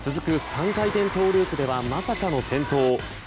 ３回転トウループではまさかの転倒。